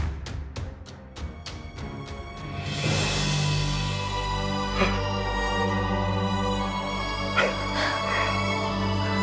aku akan menunggu